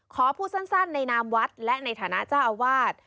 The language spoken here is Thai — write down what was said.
ขอพูดสั้นในนามวัดและในฐานะเจ้าอาวาส